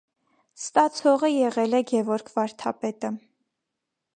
Ստացողը եղել է Գևորգ վարդապետը։